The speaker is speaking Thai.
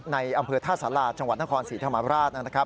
ในอำเภอท่าสาราจังหวัดนครศรีธรรมราชนะครับ